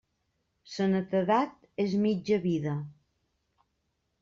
Sa netedat és mitja vida.